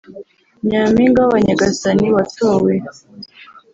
nyampinga w’Abanyagasani watowe